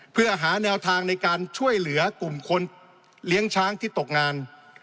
เพื่อหาแนวทางในการช่วยเหลือกลุ่มคนเลี้ยงช้างที่ตกงาน